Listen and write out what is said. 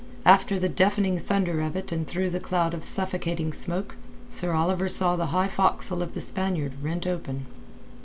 After the deafening thunder of it and through the cloud of suffocating smoke, Sir Oliver saw the high forecastle of the Spaniard rent open.